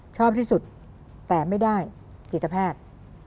ชอบที่สุดแต่ไม่ได้จิตแพทย์